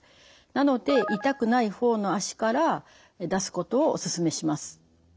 なので痛くない方の脚から出すことをおすすめします。